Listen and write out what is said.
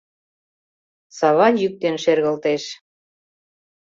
Сава йӱк ден шергылтеш.